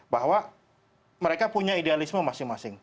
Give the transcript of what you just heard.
bahwa mereka punya idealisme masing masing